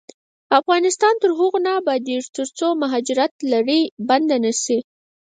افغانستان تر هغو نه ابادیږي، ترڅو د مهاجرت لړۍ بنده نشي.